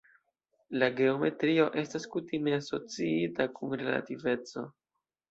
La geometrio estas kutime asociita kun relativeco.